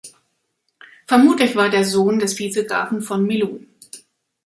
Vermutlich war der Sohn des Vizegrafen von Melun.